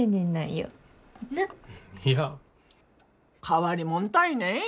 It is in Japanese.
変わりもんたいね。